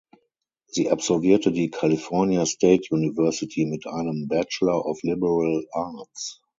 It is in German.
Sie absolvierte die California State University mit einem "Bachelor of Liberal Arts".